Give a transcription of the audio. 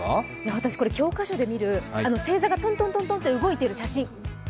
私、これ教科書で見る、星座がトントントンと動いてる写真。